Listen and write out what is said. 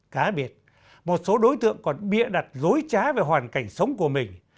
cá biệt một số đối tượng còn bịa đặt dối trá về hoàn cảnh sống của mình